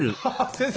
先生！